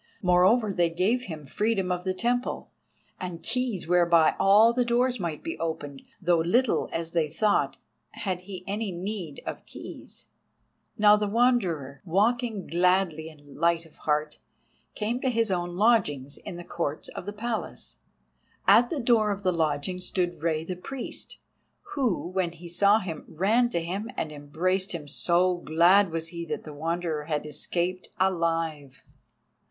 Moreover, they gave him freedom of the temple, and keys whereby all the doors might be opened, though little, as they thought, had he any need of keys. Now the Wanderer, walking gladly and light of heart, came to his own lodging in the courts of the Palace. At the door of the lodging stood Rei the Priest, who, when he saw him, ran to him and embraced him, so glad was he that the Wanderer had escaped alive.